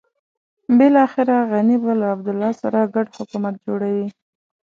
بلاخره غني به له عبدالله سره ګډ حکومت جوړوي.